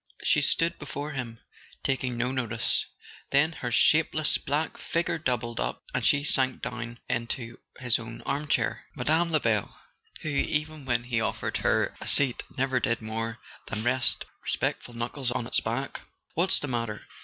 She stood before him, taking no notice; then her shapeless black figure doubled up, and she sank down into his own armchair. Mme. Lebel, who, even when he offered her a seat, never did more than rest respectful knuckles on its back! "What's the matter?